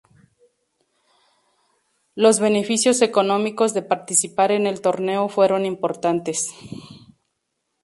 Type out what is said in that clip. Los beneficios económicos de participar en el torneo fueron importantes.